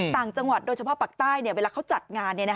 ต่างจังหวัดโดยเฉพาะปากใต้เวลาเขาจัดงาน